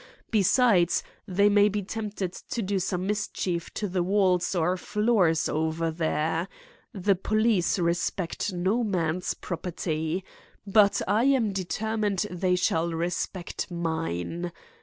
Besides, they may be tempted to do some mischief to the walls or floors over there. The police respect no man's property. But I am determined they shall respect mine.